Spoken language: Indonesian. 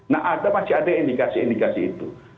nah ada masih ada indikasi indikasi itu